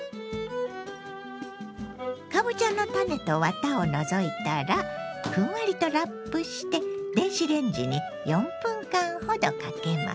かぼちゃの種とワタを除いたらふんわりとラップして電子レンジに４分間ほどかけます。